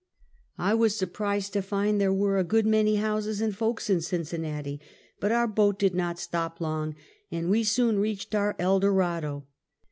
I was quite surprised to find there were a good many houses and folks in Cincinnati; but our boat did not stop long, and we soon reached our Eldorado.